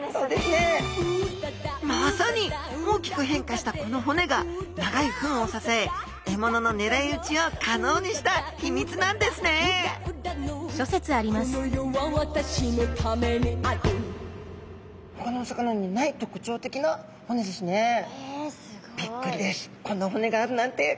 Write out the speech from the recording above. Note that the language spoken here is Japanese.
まさに大きく変化したこの骨が長い吻を支え獲物のねらい撃ちを可能にした秘密なんですねえすごい。びっくりです！